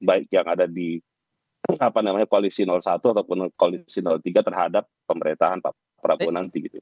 baik yang ada di koalisi satu ataupun koalisi tiga terhadap pemerintahan pak prabowo nanti gitu